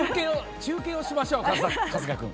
中継をしましょう。